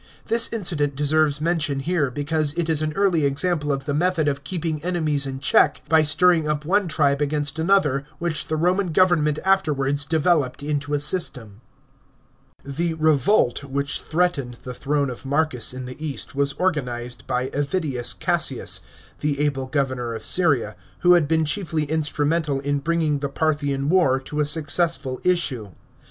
This incident deserves mention here because it is an early example of the method of keeping enemies in check by stirring up one tribe against another which the Roman government afterwards developed into a system. § 15. The revolt which threatened the throne of Marcus in the East was organized by Avidius Cassius, the able governor of Syria, who had been chiefly instrumental in bringing the Parthian war to a successful issue.